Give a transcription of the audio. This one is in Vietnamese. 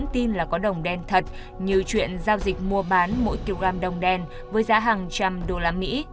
tin là có đồng đen thật như chuyện giao dịch mua bán mỗi kg đồng đen với giá hàng trăm usd